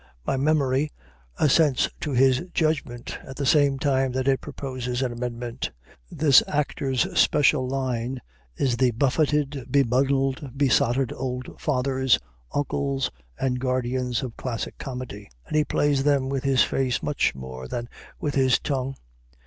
My memory assents to his judgment at the same time that it proposes an amendment. This actor's special line is the buffeted, bemuddled, besotted old fathers, uncles and guardians of classic comedy, and he plays them with his face much more than with his tongue.